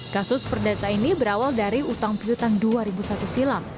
kasus perdata ini berawal dari utang piutang dua ribu satu silam